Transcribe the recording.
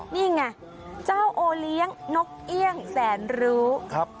นี่ไงเจ้าโอเลี้ยงนกเอี่ยงแสนรู้ครับ